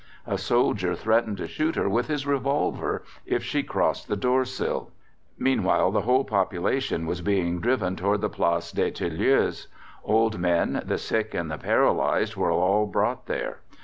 A soldier threatened to shoot her with his revolver if she crossed the door sill. Meanwhile the whole population was being driven towards the Place des Tilleuls. Old men, the sick and the paralysed were all brought there.